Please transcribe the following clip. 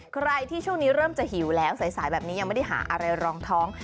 ใครที่ช่วงนี้เริ่มจะหิวแล้วสายแบบนี้ยังไม่ได้หาอะไรรองท้อง